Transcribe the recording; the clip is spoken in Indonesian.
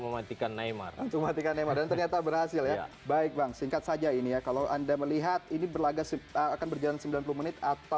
mematikan neymar dan ternyata berhasil ya baik bang singkat saja ini ya kalau anda melihat ini